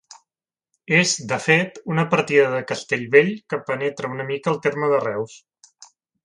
És, de fet, una partida de Castellvell que penetra una mica al terme de Reus.